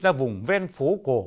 ra vùng ven phố cổ